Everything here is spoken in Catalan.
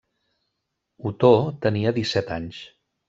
Otó tenia disset anys.